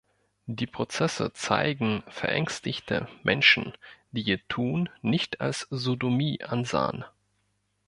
Die Prozesse zeigen verängstigte Menschen, die ihr Tun nicht als Sodomie ansahen.